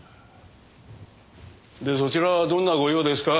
でそちらはどんなご用ですか。